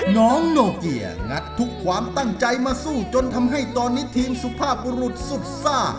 น้องโนเกียงัดทุกความตั้งใจมาสู้จนทำให้ตอนนี้ทีมสุภาพบุรุษสุดซ่า